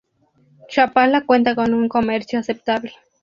Chapala cuenta con un comercio aceptable.